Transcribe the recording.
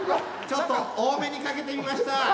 ちょっと多めにかけてみました！